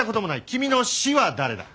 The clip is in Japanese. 君の師は誰だ？